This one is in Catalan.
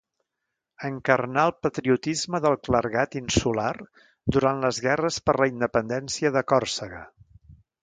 Encarnà el patriotisme del clergat insular durant les guerres per la independència de Còrsega.